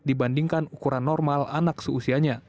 dibandingkan ukuran normal anak seusianya